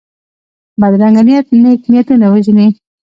بدرنګه نیت نېک نیتونه وژني